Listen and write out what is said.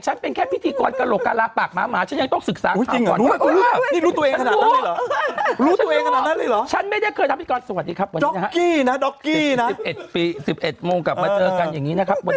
เจอกันอย่างนี้นะครับวันนี้